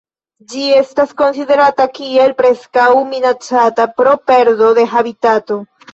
Ĝi estas konsiderata kiel Preskaŭ Minacata pro perdo de habitato.